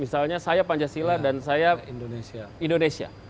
misalnya saya pancasila dan saya indonesia